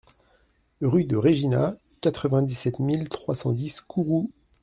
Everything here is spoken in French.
Rue de Règina, quatre-vingt-dix-sept mille trois cent dix Kourou